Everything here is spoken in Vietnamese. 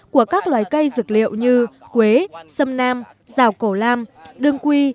của các loài cây dược liệu như quế sâm nam rào cổ lam đương quy